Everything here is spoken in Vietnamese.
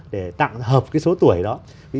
để tặng hợp cái số tuổi đó